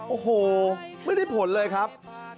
โอ้โหไม่ได้ผลเลยครับ